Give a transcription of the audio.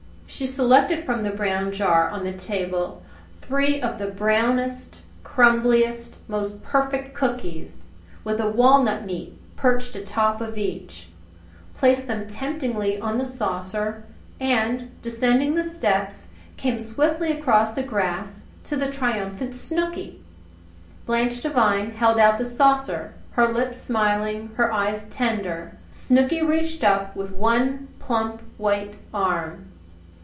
She selected from the brown jar on the table three of the brownest, crumbliest, most perfect cookies, with a walnut meat perched atop of each, placed them temptingly on the saucer and, descending the steps, came swiftly across the grass to the triumphant Snooky. Blanche Devine held out the saucer, her lips smiling, her eyes tender. Snooky reached up with one plump white arm.